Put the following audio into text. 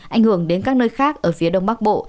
ảnh hưởng đến các nơi khác ở phía đông bắc bộ